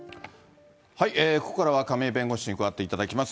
ここからは亀井弁護士に加わっていただきます。